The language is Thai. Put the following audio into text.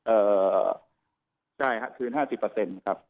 เอ่อใช่ครับคืน๕๐ครับ